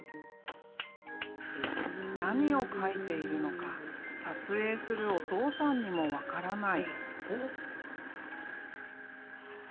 何を描いているのか撮影するお父さんにも分からない。